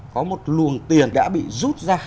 có một luồng tiền đã bị rút ra